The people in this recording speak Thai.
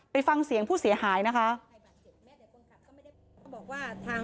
ไปฟังเสียงผู้เสียหายนะคะ